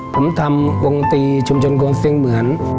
ผมทำวงตรีชุมชนกองเสียงเหมือน